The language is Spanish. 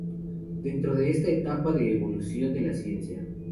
Dentro de esta etapa de evolución de la ciencia.